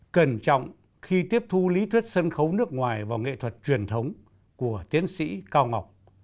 cẩn trọng khi tiếp thu lý thuyết sân khấu nước ngoài vào nghệ thuật truyền thống của tiến sĩ cao ngọc